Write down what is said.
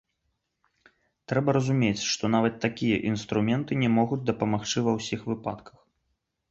Трэба разумець, што нават такія інструменты не могуць дапамагчы ва ўсіх выпадках.